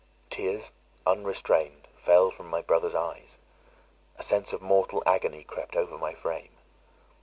Tears, unrestrained, fell from my brother's eyes; a sense of mortal agony crept over my frame.